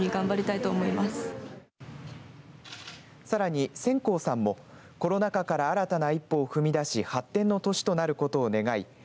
さらに専好さんもコロナ禍から新たな一歩を踏み出し発展の年となることを願い